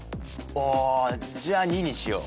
あじゃあ２にしよう。